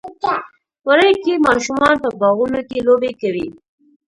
وری کې ماشومان په باغونو کې لوبې کوي.